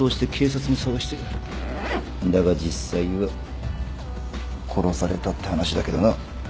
だが実際は殺されたって話だけどな